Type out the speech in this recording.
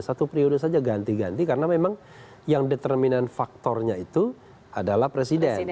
satu periode saja ganti ganti karena memang yang determinan faktornya itu adalah presiden